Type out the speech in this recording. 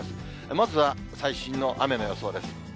まずは最新の雨の予想です。